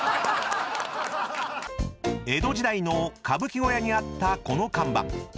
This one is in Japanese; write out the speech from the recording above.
［江戸時代の歌舞伎小屋にあったこの看板］